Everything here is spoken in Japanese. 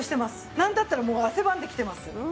なんだったらもう汗ばんできてます。